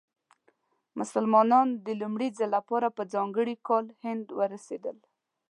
مسلمانان د لومړي ځل لپاره په ځانګړي کال هند ورسېدل.